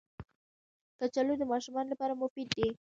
کچالو د ماشومانو لپاره مفید دي